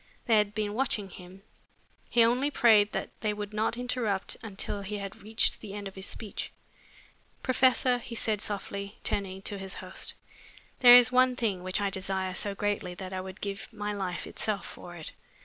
They had been watching him. He only prayed that they would not interrupt until he had reached the end of his speech. "Professor," he said softly, turning to his host, "there is one thing which I desire so greatly that I would give my life itself for it.